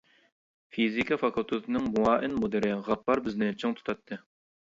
فىزىكا فاكۇلتېتىنىڭ مۇئاۋىن مۇدىرى غاپپار بىزنى چىڭ تۇتاتتى.